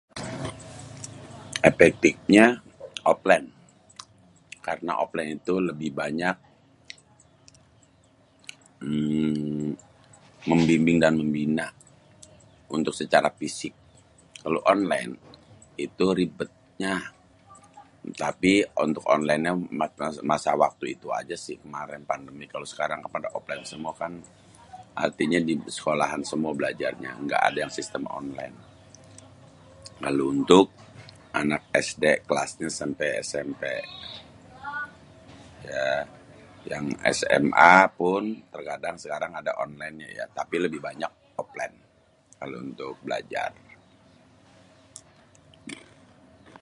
Epektifnya oplén. Karena oplén itu lebih banyak membimbing dan membina untuk secara pisik. Kalo onlén itu ribetnya. Tapi untuk onlénnya masa waktu itu aja sih kemarén, pandemi. Kalo sekarang pada oplén semua kan artinya di sekolahan semua belajarnya nggak ada yang sistem onlén. Kalo untuk anak SD kelasnya sampé SMP ya yang SMA pun terkadang sekarang ada onlennya ya tapi lebih banyak oplén kalo untuk belajar.